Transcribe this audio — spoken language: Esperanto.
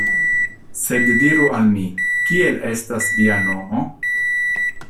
Sed diru al mi, kiel estas via nomo?